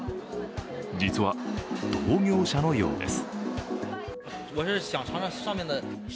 実は同業者のようです。